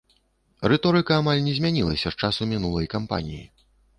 Рыторыка амаль не змянілася з часу мінулай кампаніі.